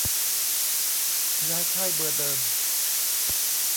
ย้ายค่ายเบอร์เดิม